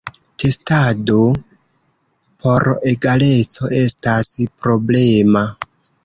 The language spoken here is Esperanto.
Testado por egaleco estas problema.